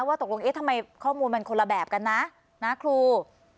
ตกลงเอ๊ะทำไมข้อมูลมันคนละแบบกันนะนะครู